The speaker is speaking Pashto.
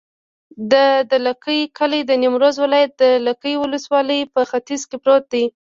د دلکي کلی د نیمروز ولایت، دلکي ولسوالي په ختیځ کې پروت دی.